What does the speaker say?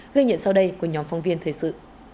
gây nhận sau đây của nhóm phong viên thời sự